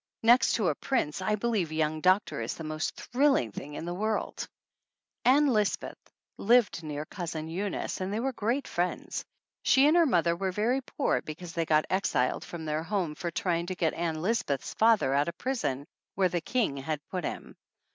Next to a prince I believe a young doctor is the most thrill ing thing in the world ! Ann Lisbeth lived near Cousin Eunice and they were great friends. She and her mother were very poor because they got exiled from their home for trying to get Ann Lisbeth's father out of prison where the king had put him.